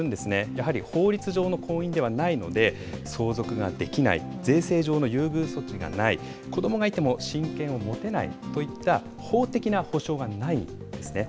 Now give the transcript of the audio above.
やはり法律上の婚姻ではないので、相続ができない、税制上の優遇措置がない、子どもがいても親権が持てないといった、法的な保障がないんですね。